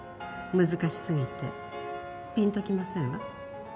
難しすぎてピンときませんわ。